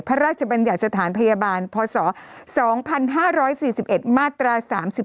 พระราชบัญญาณสถานพยาบาลพศ๒๕๔๑มาตรา๓๘